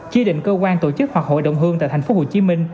chi định cơ quan tổ chức hoặc hội đồng hương tại tp hcm